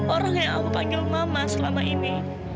orang yang allah panggil mama selama ini